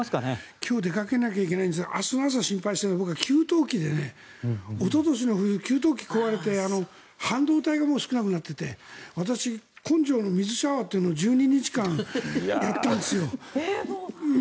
今日出かけなきゃいけないんですが明日の朝心配しているのは僕は給湯器でおととしの冬、給湯器が壊れて半導体がもう少なくなっていて私、根性の水シャワーというのを１２日間、やったんですよ。